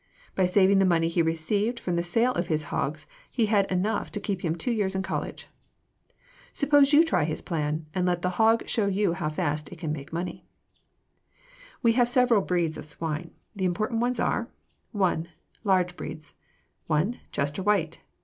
By saving the money he received from the sale of his hogs he had enough to keep him two years in college. Suppose you try his plan, and let the hog show you how fast it can make money. [Illustration: FIG. 257. A GOOD TYPE] We have several breeds of swine. The important ones are: I. Large Breeds 1. Chester White.